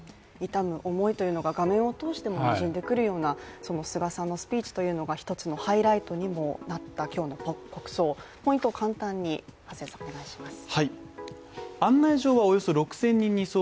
悼む思いというのが画面を通してもにじんでくるような菅さんのスピーチというのが１つのハイライトにもなった今日の国葬、ポイントを簡単にお願いします。